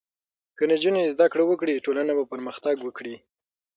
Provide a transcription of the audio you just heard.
که نجونې زدهکړه وکړي، ټولنه به پرمختګ وکړي.